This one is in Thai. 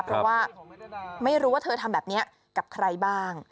เพราะว่าไม่รู้ว่าเธอทำแบบนี้กับใครบ้าง